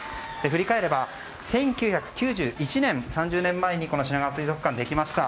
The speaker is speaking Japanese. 振り返れば１９９１年、３０年前にしながわ水族館ができました。